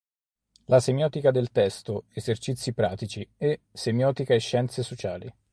La semiotica del testo: esercizi pratici" e "Semiotica e scienze sociali".